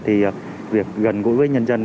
thì việc gần gũi với nhân dân